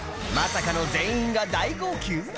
まさかの全員が大号泣？